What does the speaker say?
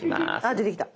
あ出てきた。